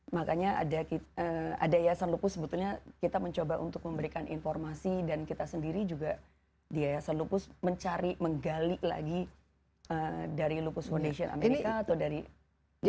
makanya ada yayasan lupus sebetulnya kita mencoba untuk memberikan informasi dan kita sendiri juga di yayasan lupus mencari menggali lagi dari lupus foundation amerika atau dari indonesia